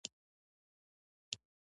د کلیوالو طبعه یې کوله.